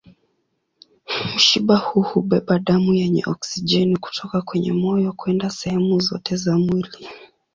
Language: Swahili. Mshipa huu hubeba damu yenye oksijeni kutoka kwenye moyo kwenda sehemu zote za mwili.